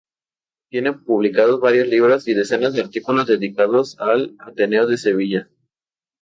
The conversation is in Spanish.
Tiene publicados varios libros y decenas de artículos dedicados al Ateneo de Sevilla.